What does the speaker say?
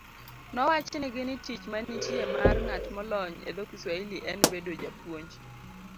Nowachnigi ni tich manitie mar ng'at molony e dho Kiswahili en bedo japuonj